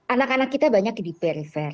anak anak kita banyak diperifer